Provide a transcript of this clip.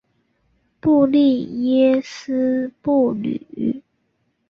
布利耶斯布吕。